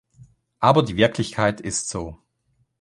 Aber die Wirklichkeit ist so.